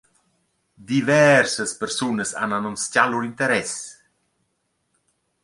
Diversas persunas han annunzchà lur interess.